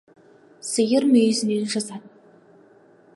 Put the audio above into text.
Сиыр мүйізінен жазады.